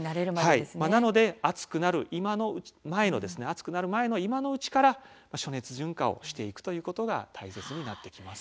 なので暑くなる前の今のうちから暑熱順化をしていくということが大切になってきます。